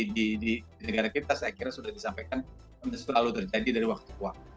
di negara kita saya kira sudah disampaikan selalu terjadi dari waktu ke waktu